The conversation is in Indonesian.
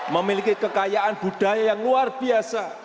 memiliki kekayaan budaya yang luar biasa